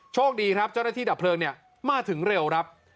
โชคดีครับเจ้าหน้าที่ดับเพลิงเนี่ยมาถึงเร็วครับ